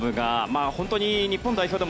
本当に日本代表でも